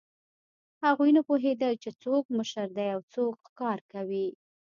هغوی نه پوهېدل، چې څوک مشر دی او څوک ښکار کوي.